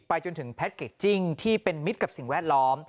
จนถึงแพ็คเกจจิ้งที่เป็นมิตรกับสิ่งแวดล้อม